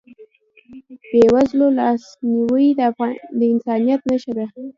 د بېوزلو لاسنیوی د انسانیت نښه ده.